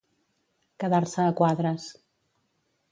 Quedar-se a quadres.